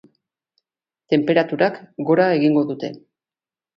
Tenperaturak gora egingo dute.